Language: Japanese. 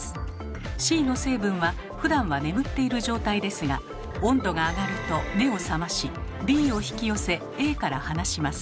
Ｃの成分はふだんは眠っている状態ですが温度が上がると目を覚ましＢを引き寄せＡから離します。